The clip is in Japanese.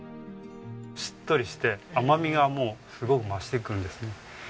しっとりして甘みがもうすごく増してくるんですね。